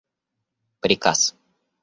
приказ